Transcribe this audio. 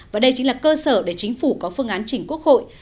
và đây chính là cơ sở để chính phủ có phương án chỉnh quốc hội